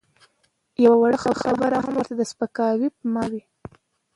یوه وړه خبره هم ورته د سپکاوي په مانا وي.